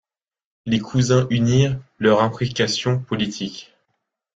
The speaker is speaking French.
Les cousins unirent leurs imprécations politiques.